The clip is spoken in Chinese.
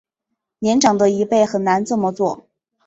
年长的一辈很难这么做